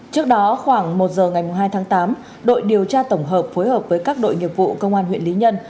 trước đó khoảng một giờ ngày hai tháng tám đội điều tra tổng hợp phối hợp với các đội nghiệp vụ công an huyện lý nhân